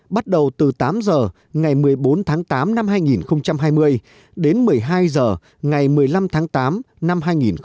bắt đầu từ tám h ngày một mươi bốn tháng tám năm hai nghìn hai mươi đến một mươi hai h ngày một mươi năm tháng tám năm hai nghìn hai mươi